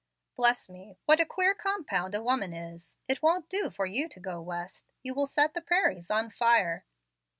"Bless me, what a queer compound a woman is! It won't do for you to go West. You will set the prairies on fire.